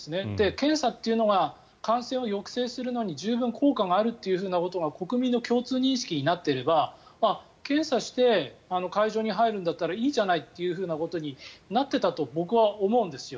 検査というのが感染を抑制するのに十分に効果があるということが国民の共通認識になっていれば検査して会場に入るんだったらいいじゃないというふうなことになっていたと僕は思うんですよ。